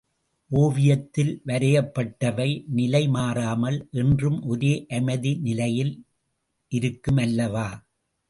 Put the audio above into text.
ஓவியத்தில் வரையப்பட்டவை, நிலை மாறாமல் என்றும் ஒரே அமைதி நிலையில் இருக்கும் அல்லவா?